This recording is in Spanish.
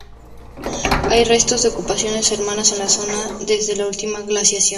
Hay restos de ocupaciones humanas en la zona desde la última glaciación.